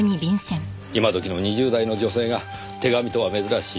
今時の２０代の女性が手紙とは珍しい。